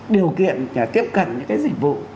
điều kiện tiếp cận những cái dịch vụ